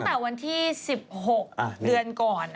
ตั้งแต่วันที่๑๖เดือนก่อน